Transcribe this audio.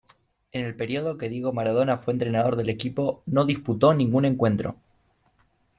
En el período que Diego Maradona fue entrenador del equipo no disputó ningún encuentro.